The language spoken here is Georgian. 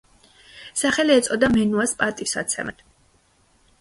სახელი ეწოდა მენუას პატივსაცემად.